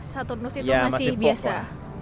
saturnus itu masih pop lah